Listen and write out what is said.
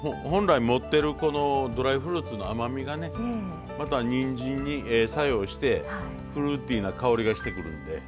本来持ってるドライフルーツの甘みがねまたにんじんに作用してフルーティーな香りがしてくるんで。